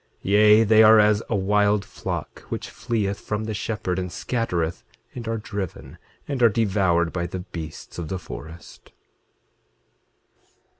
8:21 Yea, they are as a wild flock which fleeth from the shepherd, and scattereth, and are driven, and are devoured by the beasts of the forest.